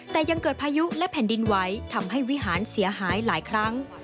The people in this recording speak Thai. แต่ยังเกิดพายุและแผ่นดินไว้ทำให้วิหารเสียหายหลายครั้ง